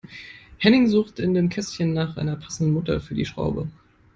Henning sucht in dem Kästchen nach einer passenden Mutter für die Schraube.